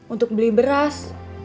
untuk beli beras